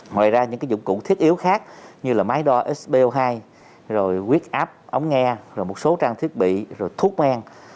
ngoài ra những dụng cụ thiết yếu khác như máy đo spo hai quyết áp ống nghe một số trang thiết bị thuốc men